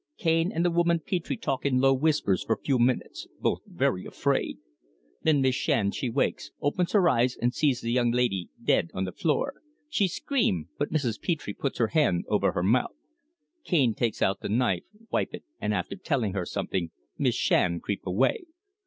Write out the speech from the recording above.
Cane and the woman Petre talk in low whispers for few minutes, both very afraid. Then Miss Shand she wakes, opens her eyes, and sees the young laidee dead on the floor. She scream, but Mrs. Petre puts her hand over her mouth. Cane take out the knife, wipe it, and after telling her something, Miss Shand creep away.